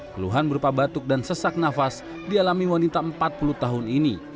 keluhan berupa batuk dan sesak nafas dialami wanita empat puluh tahun ini